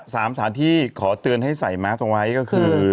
สถานที่ขอเตือนให้ใส่แมสเอาไว้ก็คือ